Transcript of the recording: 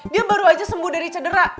dia baru aja sembuh dari cedera